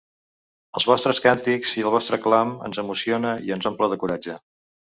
Els vostres càntics i el vostre clam ens emociona i ens omple de coratge.